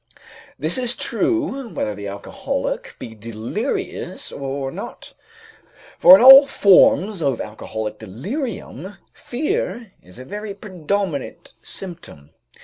This is true whether the alcoholic be delirious or not, for in all forms of alcoholic delirium, fear is a very predominant symptom.